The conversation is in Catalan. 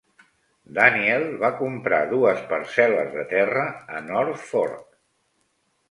Daniel va comprar dues parcel·les de terra a North Fork.